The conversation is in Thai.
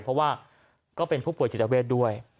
เพราะว่าก็เป็นผู้ป่วยจิตเวทด้วย